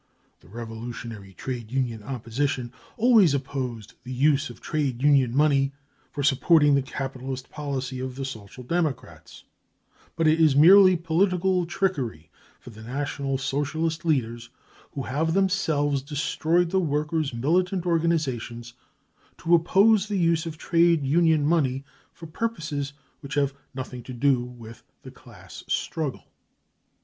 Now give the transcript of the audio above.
The revolutionary trade union opposition always opposed the use of trade union money for supporting the capitalist policy of the Social Democrats ; but it is merely political trickery for the National Socialist leaders, who have themselves destroyed the workers 5 militant organisations, to oppose the use of trade union money for purposes v&iich have nothing to do with the class struggle.